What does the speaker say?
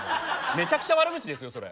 めちゃくちゃ悪口ですよそれ。